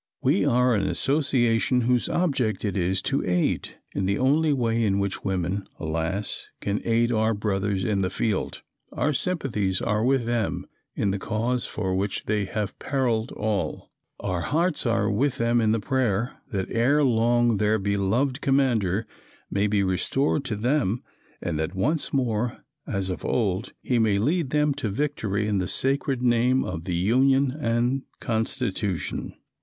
We are an association whose object it is to aid, in the only way in which woman, alas! can aid our brothers in the field. Our sympathies are with them in the cause for which they have periled all our hearts are with them in the prayer, that ere long their beloved commander may be restored to them, and that once more as of old he may lead them to victory in the sacred name of the Union and Constitution.